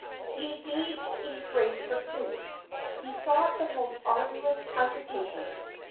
He engaged in great pursuits. He sought the most arduous undertakings.